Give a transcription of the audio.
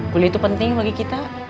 gula itu penting bagi kita